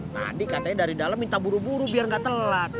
tadi katanya dari dalam minta buru buru biar gak telat